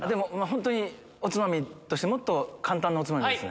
本当におつまみとしてもっと簡単なおつまみです。